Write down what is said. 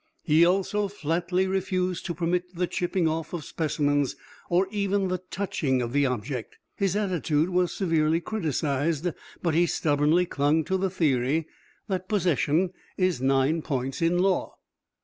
He also flatly refused to permit the chipping off of specimens or even the touching of the object. His attitude was severely criticized, but he stubbornly clung to the theory that possession is nine points in law.